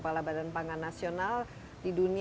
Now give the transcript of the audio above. pertanyaan yang paling penting